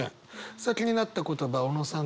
さあ気になった言葉小野さん